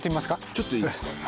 ちょっといいですか？